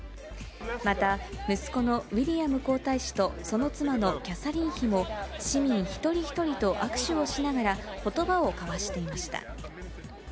また、息子のウィリアム皇太子と、その妻のキャサリン妃も、市民一人一人と握手をしながら、ことばを交わしていました。